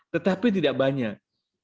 tetapi tidak banyak